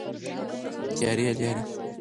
د تیارې لارې.